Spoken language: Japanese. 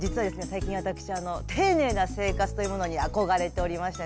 最近私丁寧な生活というものに憧れておりましてね